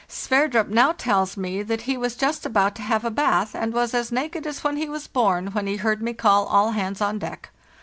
Sverdrup now tells me that he was just about to have a bath, and was as naked as when he was born, when he heard me call all hands on deck.